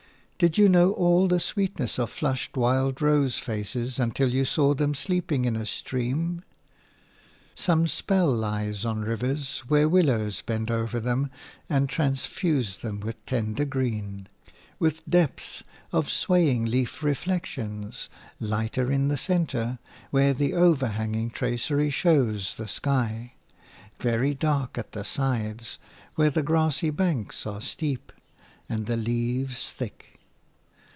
Did you know all the sweetness of flushed wild rose faces until you saw them sleeping in a stream? Some spell lies on rivers where willows bend over them and transfuse them with tender green, with depths of swaying leaf reflections, lighter in the centre, where the overhanging tracery shows the sky, very dark at the sides, where the grassy banks are steep and the leaves thick.